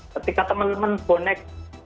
ketika teman teman bonek